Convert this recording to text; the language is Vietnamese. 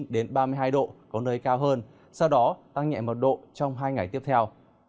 đến ba mươi hai độ có nơi cao hơn sau đó tăng nhẹ một độ trong hai ngày tiếp theo